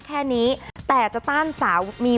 แค่นี้แต่จะต้านสามี